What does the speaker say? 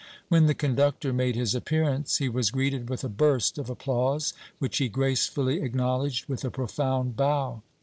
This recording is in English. When the conductor made his appearance he was greeted with a burst of applause, which he gracefully acknowledged with a profound bow.